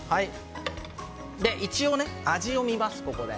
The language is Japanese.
一応、味を見ます。